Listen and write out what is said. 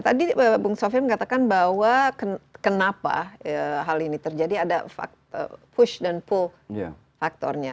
tadi bung sofian mengatakan bahwa kenapa hal ini terjadi ada push dan pull faktornya